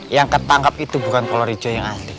yang ketangkep itu bukan pola rijo yang asli